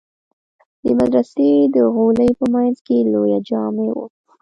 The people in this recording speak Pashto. د مدرسې د غولي په منځ کښې لويه جامع وه.